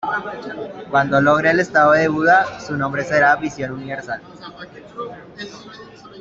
Cuando logre el estado de Buddha su nombre será Visión Universal.